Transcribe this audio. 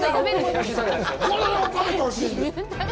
これを食べてほしいんです。